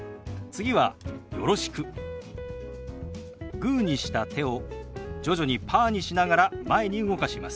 グーにした手を徐々にパーにしながら前に動かします。